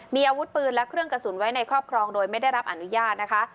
มีอาวุธปืนและเครื่องกระสุนไว้ในครอบครองโดยไม่ได้รับอนุญาตนะคะ